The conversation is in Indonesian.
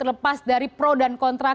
terlepas dari pro dan kontrak